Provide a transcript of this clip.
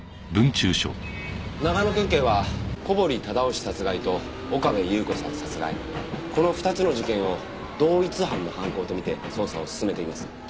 長野県警は小堀忠夫氏殺害と岡部祐子さん殺害この２つの事件を同一犯の犯行と見て捜査を進めています。